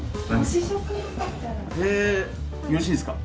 えよろしいんですか？